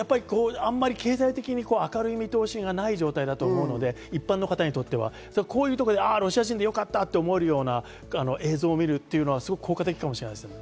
あんまり経済的に明るい見通しがない状態だと思うので一般の方にとってはロシア人でよかったと思えるような映像を見られるのは効果的かもしれない。